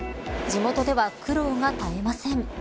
地元では苦労が絶えません。